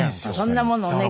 そんなものをね